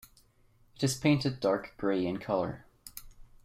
It is painted dark grey in colour.